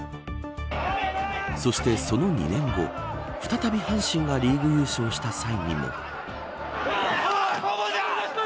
そして、その２年後再び阪神がリーグ優勝した際にも。